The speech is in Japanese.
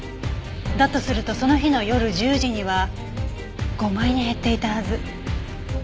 だとするとその日の夜１０時には５枚に減っていたはず。